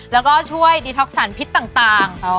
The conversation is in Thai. แล้วก็ช่วยดีท็อกสารพิษต่าง